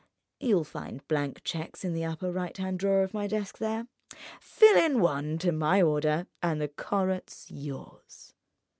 You'll find blank cheques in the upper right hand drawer of my desk there; fill in one to my order, and the Corot's yours."